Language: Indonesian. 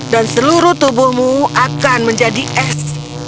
dan seluruh tubuhmu akan menjadi es